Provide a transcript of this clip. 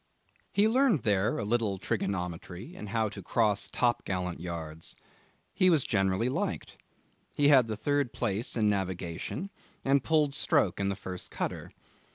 He learned there a little trigonometry and how to cross top gallant yards. He was generally liked. He had the third place in navigation and pulled stroke in the first cutter.